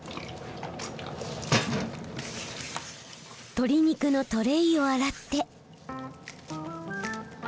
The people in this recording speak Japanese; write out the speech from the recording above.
鶏肉のトレーを洗って。